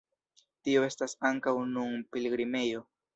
Tio estas ankaŭ nun pilgrimejo.